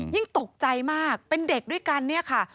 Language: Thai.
ยิ่งตกใจมากเป็นเด็กด้วยกันเนี่ยค่ะ